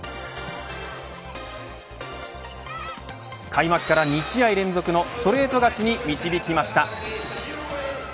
開幕から２試合連続のストレート勝ちに導きました。